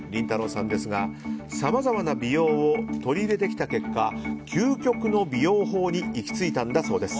さんですがさまざまな美容を取り入れてきた結果究極の美容法に行き着いたんだそうです。